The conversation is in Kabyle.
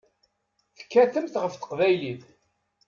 Tekkatemt ɣef teqbaylit.